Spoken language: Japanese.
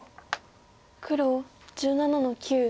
黒１７の九ハネ。